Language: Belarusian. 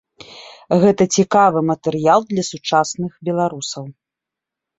Гэта цікавы матэрыял для сучасных беларусаў.